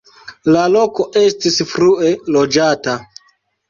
La loko estis frue loĝata.